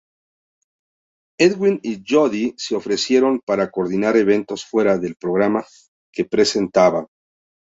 Edwin y Jody se ofrecieron para coordinar eventos fuera del programa que presentaba.